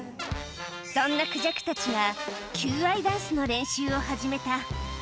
そんなクジャクたちが求愛ダンスの練習を始めた。